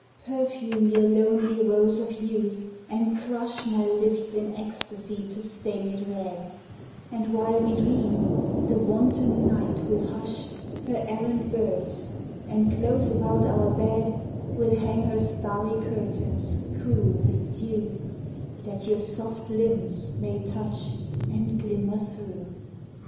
Perfume your lonely rose of youth, and crush My lips in ecstasy to stain it red, And while we dream, the wanton night will hush Her errant birds, and close about our bed Will hang her starry curtains cool with dew, That your soft limbs may touch and glimmer through.